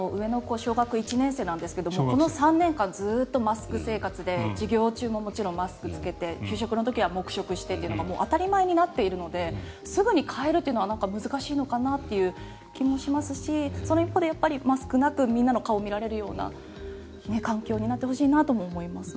小学１年生なんですがこの３年間、ずっとマスク生活で授業中ももちろんマスクを着けて給食の時は黙食してというのが当たり前になっているのですぐに変えるというのは難しいのかなという気もしますしその一方で、マスクなくみんなの顔を見られるような環境になってほしいなとも思いますね。